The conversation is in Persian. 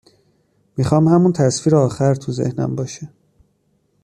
میخوام همون تصویر آخر تو ذهنم باشه